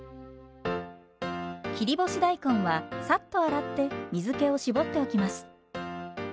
切り干し大根はサッと洗って水けをしぼっておきます。